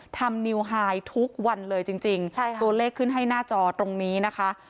นิวไฮทุกวันเลยจริงจริงใช่ค่ะตัวเลขขึ้นให้หน้าจอตรงนี้นะคะ